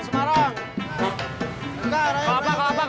semarang semarang semarang